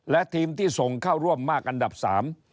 และทีมที่ส่งเข้าร่วมมากอันดับสาม